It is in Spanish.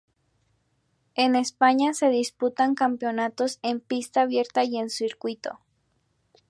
En España se disputan campeonatos en pista abierta y en circuito.